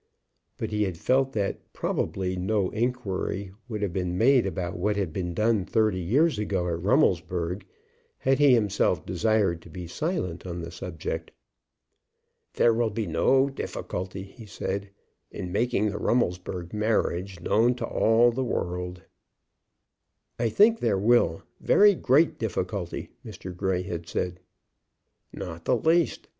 But he had felt that probably no inquiry would have been made about what had been done thirty years ago at Rummelsburg, had he himself desired to be silent on the subject. "There will be no difficulty," he said, "in making the Rummelsburg marriage known to all the world." "I think there will; very great difficulty," Mr. Grey had said. "Not the least.